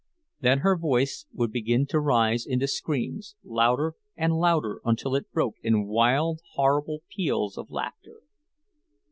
Then her voice would begin to rise into screams, louder and louder until it broke in wild, horrible peals of laughter.